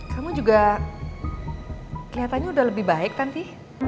kamu juga kelihatanya sudah lebih baik tanti